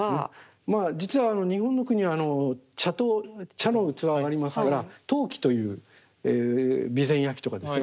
まあ実は日本の国茶陶茶の器はありますから陶器という備前焼とかですね